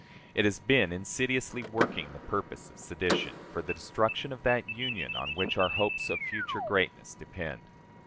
It has been insidiously working the purpose of sedition, for the destruction of that Union on which our hopes of future greatness depend.